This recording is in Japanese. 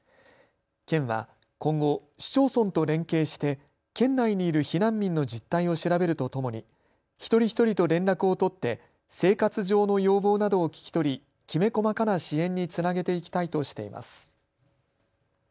県は今後、市町村と連携して県内にいる避難民の実態を調べるとともに一人一人と連絡を取って生活上の要望などを聞き取りきめ細かな支援につなげていきたいとしています。